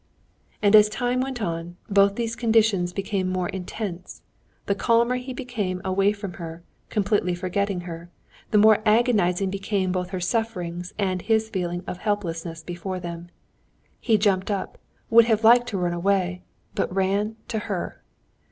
And as time went on, both these conditions became more intense; the calmer he became away from her, completely forgetting her, the more agonizing became both her sufferings and his feeling of helplessness before them. He jumped up, would have liked to run away, but ran to her.